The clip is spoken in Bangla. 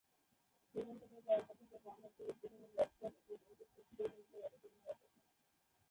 শ্রীলঙ্কা দলে একাধারে বামহাতি উদ্বোধনী ব্যাটসম্যান এবং উইকেট-রক্ষকের ভূমিকায় অবতীর্ণ হয়ে থাকেন।